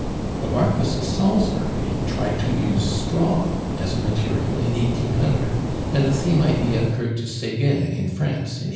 The Marquis of Salisbury tried to use straw as a material in 1800, and the same idea occurred to Seguin in France in 1801.